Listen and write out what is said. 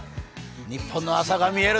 ニッポンの流行がみえる！